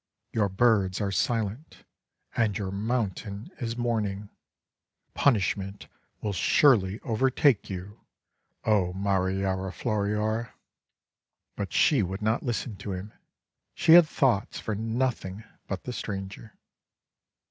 Your birds are silent, and your mountain is mourning. Punish ment will surely overtake you, O Mariora Floriora!" MARIORA FLORIORA 433 But she would not listen to him. She had thoughts for nothing but the stranger.